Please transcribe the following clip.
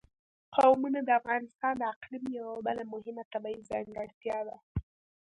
قومونه د افغانستان د اقلیم یوه بله مهمه طبیعي ځانګړتیا ده.